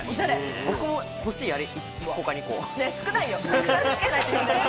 僕も欲しい、１個か２個。